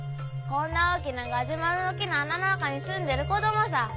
こんな大きなガジュマルの樹の穴の中に住んでる子供さぁ。